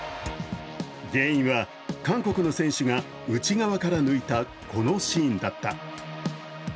原因は韓国の選手が内側から抜いたこのシーンだった。